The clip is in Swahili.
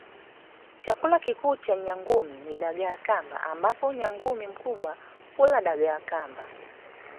Chakula kikuu cha nyangumi ni dagaa kamba ambapo nyangumi mkubwa hula dagaa kamba